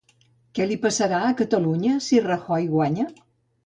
Què li passarà a Catalunya si Rajoy guanya?